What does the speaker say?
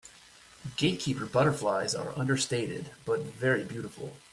Gatekeeper butterflies are understated but very beautiful.